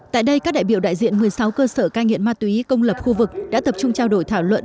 tại đây các đại biểu đại diện một mươi sáu cơ sở cai nghiện ma túy công lập khu vực đã tập trung trao đổi thảo luận